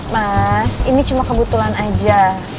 mas ini cuma kebetulan aja